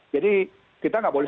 jadi kita tidak boleh